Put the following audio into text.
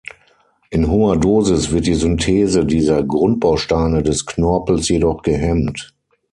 In hoher Dosis wird die Synthese dieser Grundbausteine des Knorpels jedoch gehemmt.